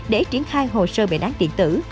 để triển khai hồ sơ bệnh án điện tử